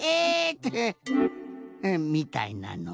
ってみたいなの。